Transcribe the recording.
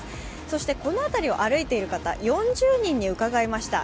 そしてこの辺りを歩いている方、４０人に伺いました。